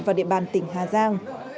vào địa bàn tỉnh hà giang